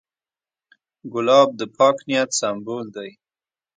ګلاب د پاک نیت سمبول دی.